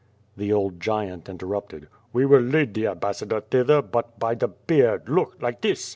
The old giant interrupted. "We will lead the ambassador thither, but by the beard, look, like this!"